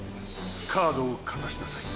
カードをかざしなさい。